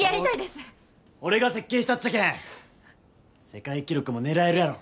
俺が設計したっちゃけん世界記録も狙えるやろ。